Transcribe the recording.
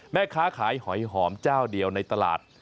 แม่ค้าขายหอยหอมเจ้าเดียวในตลาด